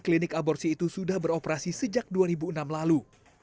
klinik aborsi itu sudah beroperasi sejak dua ribu enam lalu